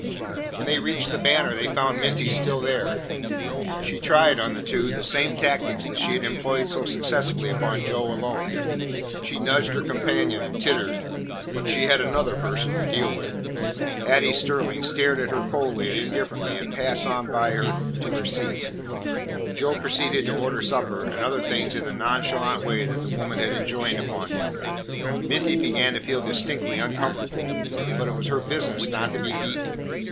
When they reached the Banner, they found Minty still there. She tried on the two the same tactics that she had employed so successfully upon Joe alone. She nudged her companion and tittered. But she had another person to deal with. Hattie Sterling stared at her coldly and indifferently, and passed on by her to a seat. Joe proceeded to order supper and other things in the nonchalant way that the woman had enjoined upon him. Minty began to feel distinctly uncomfortable, but it was her business not to be beaten.